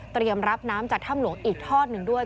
เตรียมรับน้ำจากท่ำหลวงอีกท่อนึงด้วย